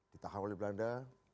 ditahan oleh belanda